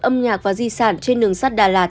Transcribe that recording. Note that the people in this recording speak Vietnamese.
âm nhạc và di sản trên đường sắt đà lạt